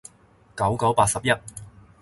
九九八十一